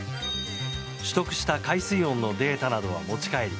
取得した海水温のデータなどは持ち帰り